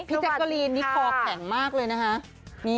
แจ๊กกะลีนนี่คอแข็งมากเลยนะคะ